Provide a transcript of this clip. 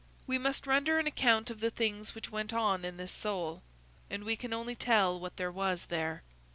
We must render an account of the things which went on in this soul, and we can only tell what there was there.